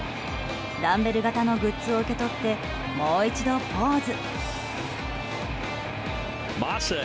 ダンベル形のグッズを受け取ってもう一度ポーズ。